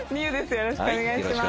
よろしくお願いします。